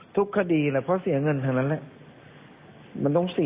ทุกคดีแหละเพราะเสียเงินทางนั้นแหละมันต้องเสีย